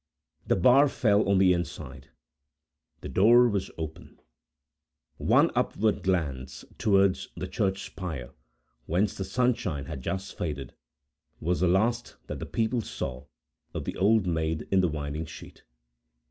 The bar fell on the inside; the door was opened. One upward glance, towards the church spire, whence the sunshine had just faded, was the last that the people saw of the "Old Maid in the Winding Sheet."